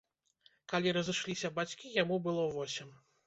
Калі разышліся бацькі, яму было восем.